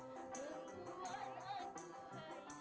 membuat aku rindu siang malam